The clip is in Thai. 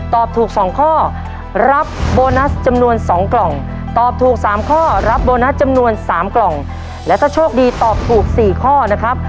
ตอบถูก๒ข้อรับโบนัสจำนวน๒กล่องตอบถูก๓ข้อรับโบนัสจำนวน๓กล่องและถ้าโชคดีตอบถูก๔ข้อนะครับ